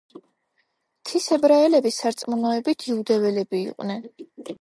მთის ებრაელები სარწმუნოებით იუდეველები იყვნენ.